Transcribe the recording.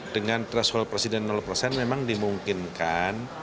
dengan threshold presiden persen memang dimungkinkan